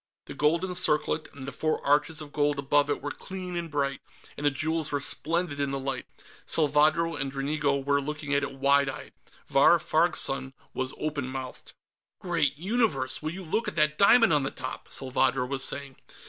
The golden circlet and the four arches of gold above it were clean and bright, and the jewels were splendid in the light. Salvadro and Dranigo were looking at it wide eyed. Vahr Farg's son was open mouthed. "Great Universe! Will you look at that diamond on the top!" Salvadro was saying.